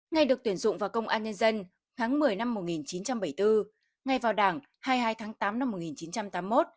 ngày được tuyển dụng vào công an nhân dân tháng một mươi năm một nghìn chín trăm bảy mươi bốn ngay vào đảng hai mươi hai tháng tám năm một nghìn chín trăm tám mươi một